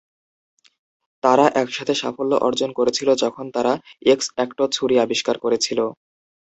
তারা একসাথে সাফল্য অর্জন করেছিল যখন তারা এক্স-অ্যাক্টো ছুরি আবিষ্কার করেছিল।